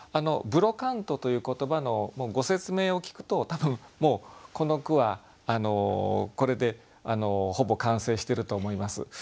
ブロカントという言葉のご説明を聞くと多分もうこの句はこれでほぼ完成してると思います。